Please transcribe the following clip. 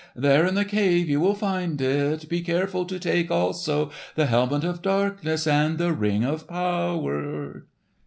"There in the cave you will find it. Be careful to take also the helmet of darkness and the Ring of Power."